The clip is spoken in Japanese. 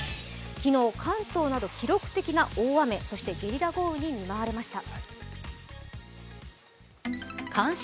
昨日関東など記録的な大雨ゲリラ豪雨に見舞われました。